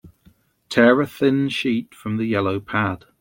Tear a thin sheet from the yellow pad.